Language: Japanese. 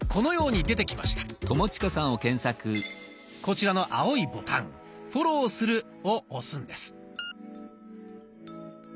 こちらの青いボタン「フォローする」を押すんです。